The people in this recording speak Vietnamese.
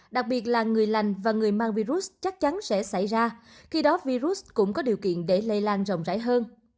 đặc biệt là người lành và người mang virus chắc chắn sẽ xảy ra khi đó virus cũng có điều kiện để lây lan rộng rãi hơn